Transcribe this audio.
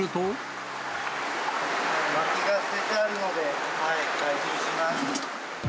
まきが捨ててあるので、回収します。